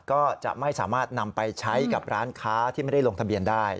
ก็จะไม่สามารถนำไปใช้กับร้านค้าที่ไม่ได้ลงทะเบียนได้